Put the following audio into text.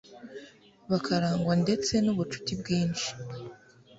bakarangwa ndetse n'ubucuti bwinshi